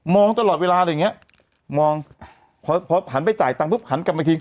มองตลอดเวลาแบบนี้มองพอหันไปจ่ายตังค์พบหันกลับมาทิ้ง